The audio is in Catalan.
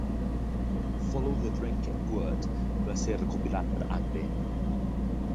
"Follow the Drinking Gourd" va ser recopilat per H. B.